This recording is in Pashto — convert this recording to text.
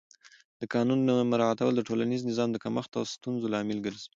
د قانون نه مراعت د ټولنیز نظم د کمښت او ستونزو لامل ګرځي